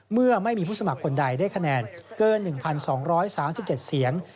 เมื่อไม่มีผู้สมัครคนใดได้คะแนนเกิน๑๒๓๗เสียง